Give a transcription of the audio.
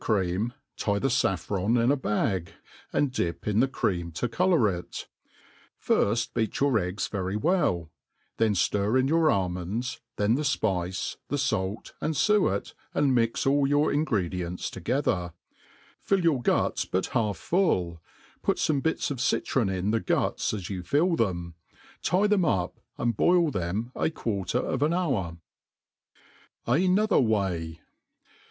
cream, tie the (kffron in a bag, and dip in the cream to colour it* Firft beat your eegs very well ; then fiir in your almonds, then the fpice, the laTt, and fuet, and mix all your ingredients toge ther ; fill your guts but half full, put fome bits bf citron iH the guts as you fill them, tie them up, and boil them a qaar« ter of an hour. AnothiT Way.